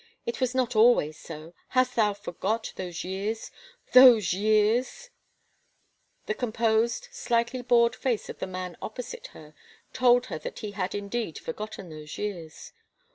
It was not always so. Hast thou forgot those years — those years —?" The composed, slightly bored face of the man opix>site her told her that he had indeed forgotten those years.